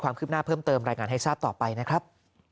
ความคืบหน้าเพิ่มเติมรายงานให้ทราบต่อไปนะครับ